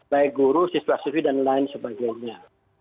baik guru siswa siswi dan lain sebagainya